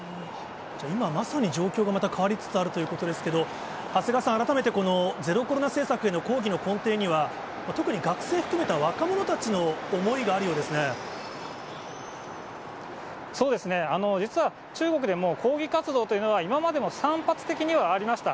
じゃあ、今まさに、状況がまた変わりつつあるということですけれども、長谷川さん、改めて、このゼロコロナ政策への抗議の根底には、特に学生含めた実は、中国でもう抗議活動というのは、今までも散発的にはありました。